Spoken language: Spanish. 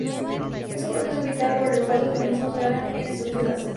Es un proceso vital por el cual los organismos ganan en estructura y masa.